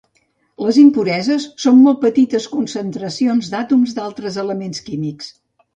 Les impureses són molt petites concentracions d'àtoms d'altres elements químics.